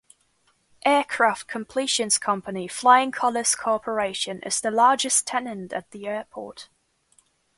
Aircraft completions company Flying Colours Corporation is the largest tenant at the airport.